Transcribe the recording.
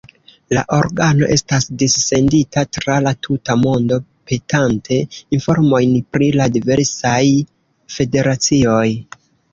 La organo estas dissendita tra la tuta mondo petante informojn pri la diversaj federacioj.